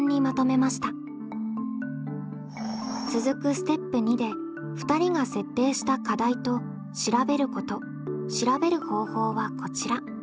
続くステップ２で２人が設定した課題と「調べること」「調べる方法」はこちら。